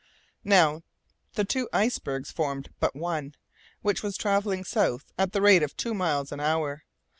Now, the two icebergs formed but one, which was travelling south at the rate of two miles an hour.